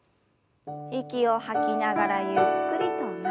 息を吐きながらゆっくりと前に。